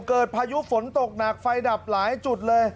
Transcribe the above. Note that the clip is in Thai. พายุฝนตกหนักไฟดับหลายจุดเลย